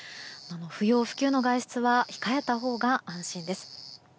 不要不急の外出は控えたほうが安心です。